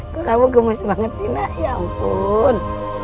kok kamu gemes banget sih na ya ampun